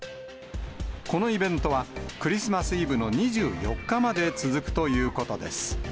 このイベントは、クリスマスイブの２４日まで続くということです。